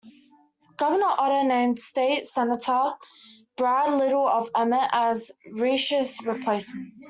Governor Otter named state Senator Brad Little of Emmett as Risch's replacement.